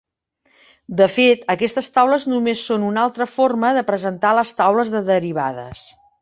De fet aquestes taules només són una altra forma de presentar les taules de derivades.